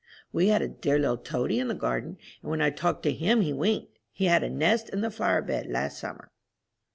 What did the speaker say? We had a dear little toady in the garden, and when I talked to him he winked. He had a nest in the flower bed last summer.